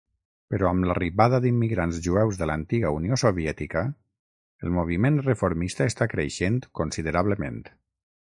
Però amb l'arribada d'immigrants jueus de l'antiga Unió Soviètica, el moviment reformista està creixent considerablement.